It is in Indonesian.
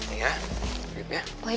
ini ya duitnya